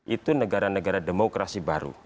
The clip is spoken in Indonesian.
itu negara negara demokrasi baru